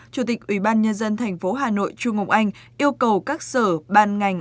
chủ tịch ủy ban nhân dân tp hà nội trung ngộng anh yêu cầu các sở ban ngành